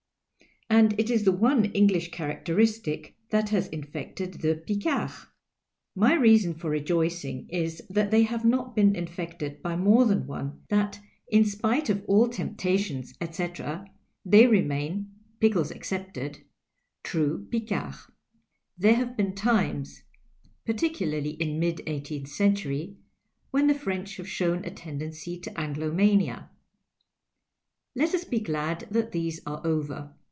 ^^ And it is the one English characteristic that has infected the Pieards ! My reason for rejoicing is that they have not been infected by more than one, that in spite of all 290 PICKLES AND PICARDS temptations, etc., they remain (pickles excepted) true Picards. There have been times (particularly in mid cifrhtecnth eent\iry) when the French have shown a tendency to Anglomania. Let us be glad that these arc over.